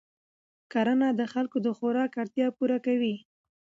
کرنه د خلکو د خوراک اړتیا پوره کوي